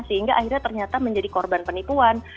sehingga akhirnya ternyata menjadi korban penipuan